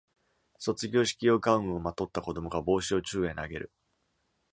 卒業式用ガウンをまとった子どもが帽子を宙へ投げる